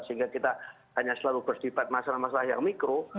karena kita tidak hanya selalu berdibat masalah masalah yang mikro